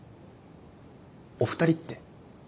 お２人って？